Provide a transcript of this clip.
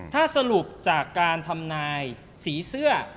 ถ้าสรุปจากการทำนายสีเสื้อ